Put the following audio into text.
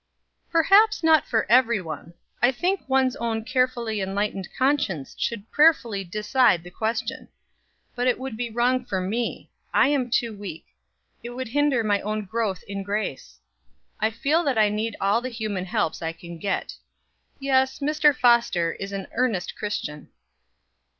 "Perhaps not for every one. I think one's own carefully enlightened conscience should prayerfully decide the question; but it would be wrong for me. I am too weak; it would hinder my own growth in grace. I feel that I need all the human helps I can get. Yes, Mr. Foster is an earnest Christian."